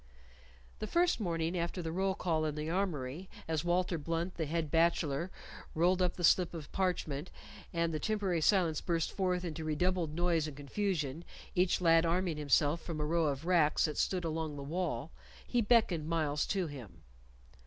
The first morning after the roll call in the armory, as Walter Blunt, the head bachelor, rolled up the slip of parchment, and the temporary silence burst forth into redoubled noise and confusion, each lad arming himself from a row of racks that stood along the wall, he beckoned Myles to him.